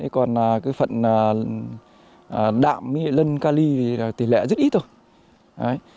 còn phần đạm lân ca ly thì tỉ lệ rất ít thôi